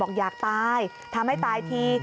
อยากตายทำให้ตายที